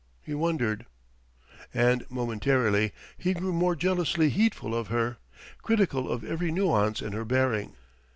He wondered! And momentarily he grew more jealously heedful of her, critical of every nuance in her bearing.